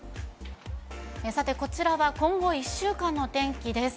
さて、こちらは今後１週間の天気です。